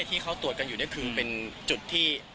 ที่เขาตรวจกันอยู่นี่คือเป็นจุดที่